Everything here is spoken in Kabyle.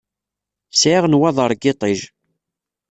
Sɛiɣ nnwaḍeṛ n yiṭij.